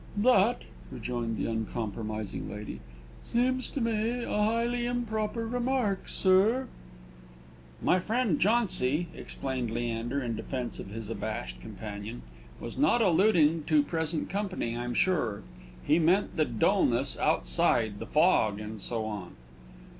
"That," rejoined the uncompromising lady, "seems to me a highly improper remark, sir." "My friend Jauncy," explained Leander, in defence of his abashed companion, "was not alluding to present company, I'm sure. He meant the dulness outside the fog, and so on."